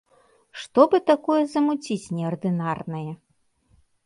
Што бы такое замуціць неардынарнае?